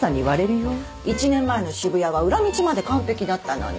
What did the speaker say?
１年前の渋谷は裏道まで完璧だったのに。